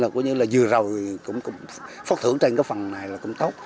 là có như là dừa rầu cũng phát thưởng trên cái phần này là cũng tốt